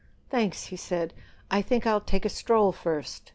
"Thanks," he said, "I think I'll take a stroll first.